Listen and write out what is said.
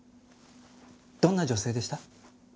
どんな女性でした？